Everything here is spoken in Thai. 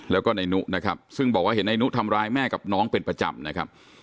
แล้วก็นายนุนะครับซึ่งบอกว่าเห็นนายนุทำร้ายแม่กับน้องเป็นประจำนะครับ